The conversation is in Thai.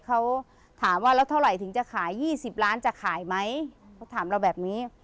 เขาถามว่าแล้วเท่าไหร่ถึงจะขาย๒๐ล้านจะขายไหมเขาถามเราแบบนี้